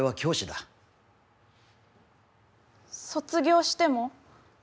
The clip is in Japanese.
卒業しても？